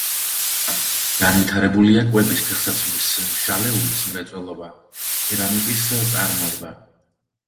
განვითარებულია კვების, ფეხსაცმლის, შალეულის მრეწველობა, კერამიკის წარმოება.